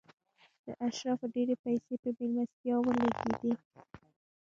د اشرافو ډېرې پیسې په مېلمستیاوو لګېدې.